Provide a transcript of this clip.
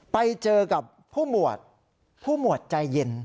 ไปเจอกับผู้หมวดผู้หมวดใจเย็น